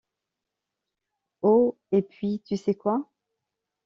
Oh et puis tu sais quoi?